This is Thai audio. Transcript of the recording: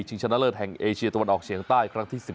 ชนะเลิศแห่งเอเชียตะวันออกเฉียงใต้ครั้งที่๑๑